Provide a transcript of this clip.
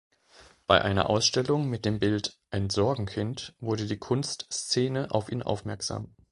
Bei einer Ausstellung mit dem Bild "„Ein Sorgenkind“", wurde die Kunstszene auf ihn aufmerksam.